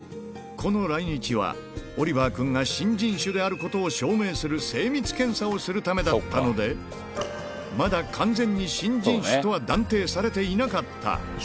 当館、猿を泊めこの来日は、オリバー君が新人種を証明する精密検査をするためだったので、まだ完全に新人種とは断定されていなかった。